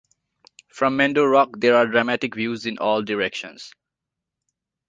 From Mendo Rock there are dramatic views in all directions.